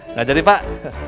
nggak jadi pak